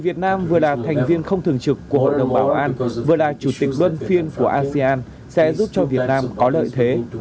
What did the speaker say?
việt nam vừa là thành viên không thường trực của hội đồng bảo an vừa là chủ tịch luân phiên của asean sẽ giúp cho việt nam có lợi thế